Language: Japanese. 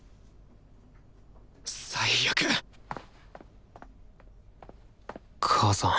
最悪母さん